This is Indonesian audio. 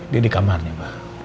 dia di kamarnya ma